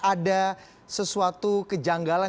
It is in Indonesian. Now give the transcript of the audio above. ada sesuatu kejanggalan